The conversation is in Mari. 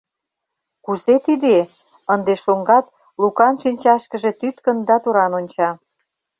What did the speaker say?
— Кузе тиде? — ынде шоҥгат Лукан шинчашкыже тӱткын да туран онча.